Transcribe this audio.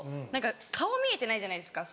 顔見えてないじゃないですか